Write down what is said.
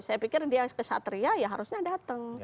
saya pikir dia kesatria ya harusnya datang